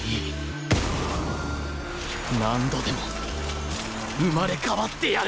何度でも生まれ変わってやる！